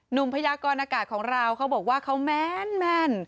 พยากรอากาศของเราเขาบอกว่าเขาแม่น